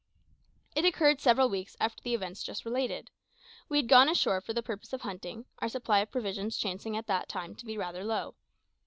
It occurred several weeks after the events just related. We had gone ashore for the purpose of hunting, our supply of provisions chancing at that time to be rather low.